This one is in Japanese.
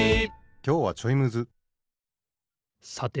きょうはちょいむずさて